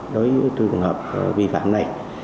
đối với trường hợp vi phạm này